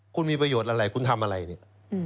คุณมีประโยชน์อะไรคุณทำอะไรเนี่ย